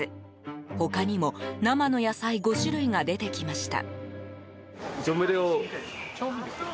他にも、生の野菜５種類が出てきました。